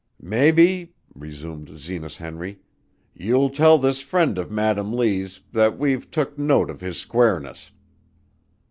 "Mebbe," resumed Zenas Henry, "you'll tell this friend of Madam Lee's that we've took note of his squareness."